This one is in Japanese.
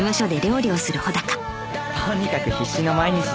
とにかく必死の毎日で